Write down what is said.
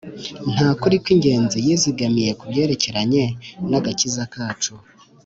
. Nta kuri kw’ingenzi yizigamiye ku byerekeranye n’agakiza kacu